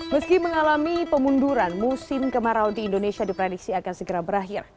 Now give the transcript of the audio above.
meski mengalami pemunduran musim kemarau di indonesia diprediksi akan segera berakhir